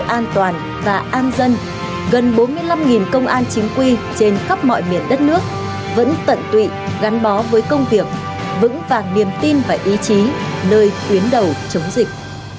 an toàn và an dân gần bốn mươi năm công an chính quy trên khắp mọi miền đất nước vẫn tận tụy gắn bó với công việc vững vàng niềm tin và ý chí nơi tuyến đầu chống dịch